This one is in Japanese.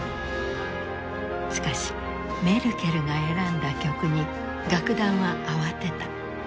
しかしメルケルが選んだ曲に楽団は慌てた。